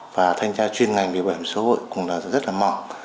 và thanh tra chuyên ngành về bảo hiểm xã hội cũng rất mọng